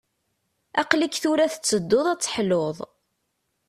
Aql-ik tura tettedduḍ ad teḥluḍ.